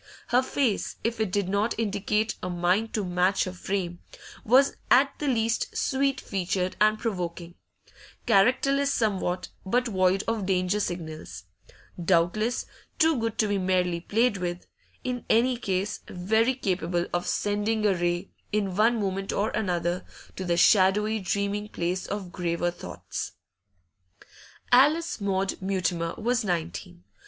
Her face, if it did not indicate a mind to match her frame, was at the least sweet featured and provoking; characterless somewhat, but void of danger signals; doubtless too good to be merely played with; in any case, very capable of sending a ray, in one moment or another, to the shadowy dreaming place of graver thoughts. Alice Maud Mutimer was nineteen.